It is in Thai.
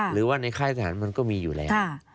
หรือว่าในค่ายสถานมันก็มีอยู่แล้ว